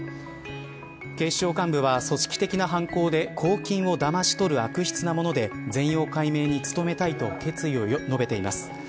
警視庁は組織的な犯行で公金をだまし取る悪質なもので全容解明に努めたいと決意を述べています。